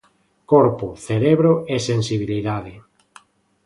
Corpo, cerebro e sensibilidade.